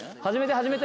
始めて！